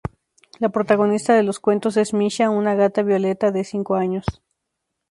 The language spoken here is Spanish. La protagonista de los cuentos es Misha, una gata violeta de cinco años.